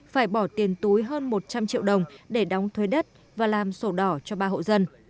phải bỏ tiền túi hơn một trăm linh triệu đồng để đóng thuế đất và làm sổ đỏ cho ba hộ dân